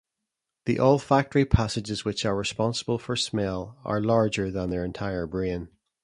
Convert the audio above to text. The olfactory passages which are responsible for smell are larger than their entire brain.